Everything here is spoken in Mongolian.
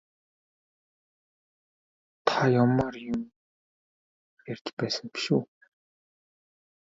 Та явмаар юм ярьж байсан биш үү?